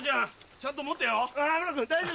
ちゃんと持ってよ？